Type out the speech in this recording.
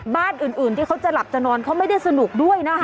บ้านอื่นที่เขาจะหลับจะนอนเขาไม่ได้สนุกด้วยนะคะ